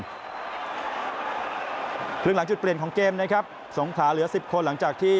ครึ่งหลังจุดเปลี่ยนของเกมนะครับสงขาเหลือสิบคนหลังจากที่